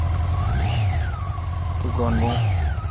تو گین بھو۔